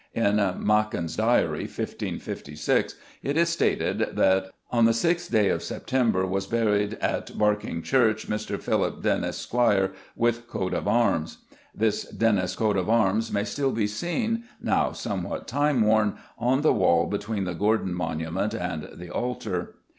In Machin's Diary, 1556, it is stated that on "the vi day of September was bered at Barking Church Mr. Phelype Dennys, Squyre, with cote of armes." This Dennis coat of arms may still be seen, now somewhat time worn, on the wall between the Gordon monument and the altar.